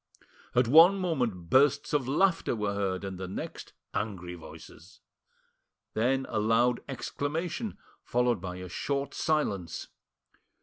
At one moment bursts of laughter were heard, and the next angry voices. Then a loud exclamation, followed by a short silence.